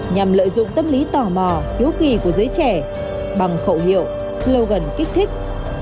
nhằm lợi dụng tâm lý tò mò hiếu kỳ của giới trẻ bằng khẩu hiệu slogan kích thích